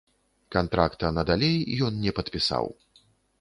Кантракта надалей ён не падпісаў.